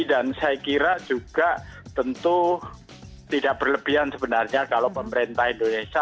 dan saya kira juga tentu tidak berlebihan sebenarnya kalau pemerintah indonesia